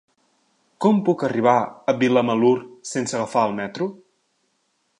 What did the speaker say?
Com puc arribar a Vilamalur sense agafar el metro?